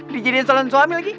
dijadikan calon suami lagi